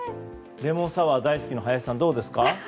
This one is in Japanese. レモンサワーが大好きな林さん、どうですか？